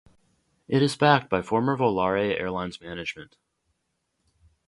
It is backed by former Volare Airlines management.